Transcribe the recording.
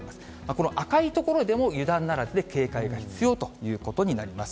この赤い所でも油断ならずで、警戒が必要ということになります。